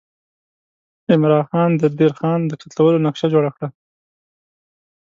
عمرا خان د دیر خان د قتلولو نقشه جوړه کړه.